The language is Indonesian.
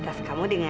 ya aku juga